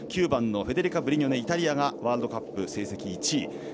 ９番のフェデリカ・ブリニョネイタリアがワールドカップ成績１位。